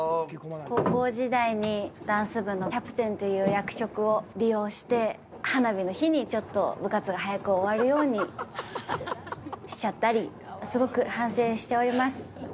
高校時代にダンス部のキャプテンという役職を利用して花火の日に、ちょっと部活が早く終わるようにしちゃったりすごく反省しております。